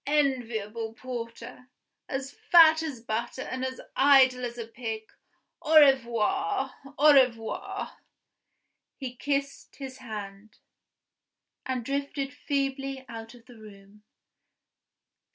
Enviable porter! as fat as butter and as idle as a pig! Au revoir! au revoir!" He kissed his hand, and drifted feebly out of the room.